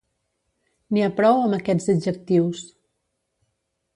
n'hi ha prou amb aquests adjectius